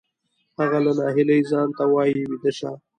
هغه له ناهیلۍ ځان ته وایی ویده شه